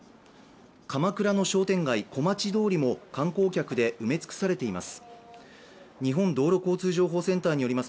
鎌倉の商店街、小町通りも観光客で埋め尽くされています。